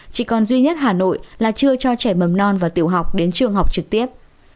chỉ còn duy nhất hà nội là chưa cho trẻ mầm non và tiểu học đến trường học trực tiếp